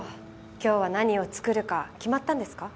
今日は何を作るか決まったんですか？